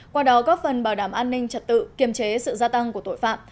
qua đó góp phần bảo đảm an ninh trật tự kiềm chế sự gia tăng của tội phạm